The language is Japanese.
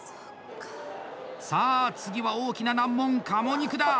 さあ、次は大きな難問、鴨肉だ。